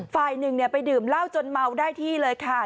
ฝ่ายหนึ่งไปดื่มเหล้าจนเมาได้ที่เลยค่ะ